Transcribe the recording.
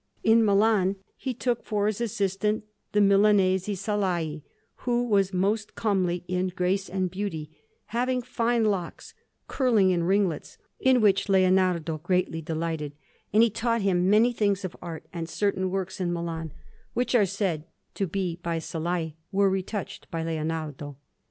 In Milan he took for his assistant the Milanese Salai, who was most comely in grace and beauty, having fine locks, curling in ringlets, in which Leonardo greatly delighted; and he taught him many things of art; and certain works in Milan, which are said to be by Salai, were retouched by Leonardo.